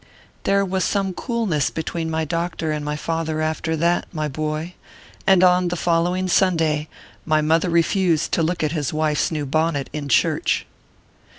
There was some coolness between the doctor and my father after that, my boy : and, on the following Sunday, my mother refused to look at his wife s new bonnet in church.